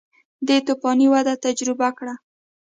دې توفاني وده یې تجربه کړه